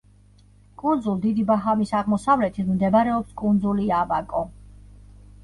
კუნძულ დიდი ბაჰამის აღმოსავლეთით მდებარეობს კუნძული აბაკო.